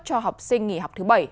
cho học sinh nghỉ học thứ bảy